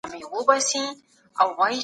حاکمان کوللای سي چي نوي تګلاري جوړي کړي.